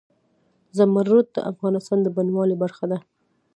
زمرد د افغانستان د بڼوالۍ برخه ده.